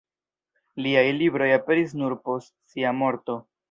Liaj libroj aperis nur post sia morto.